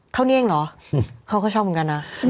เนียงเหรอเขาก็ชอบเหมือนกันนะ